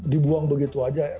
dibuang begitu aja ya